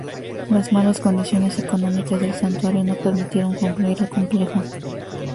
Las malas condiciones económicas del Santuario no permitieron concluir el complejo.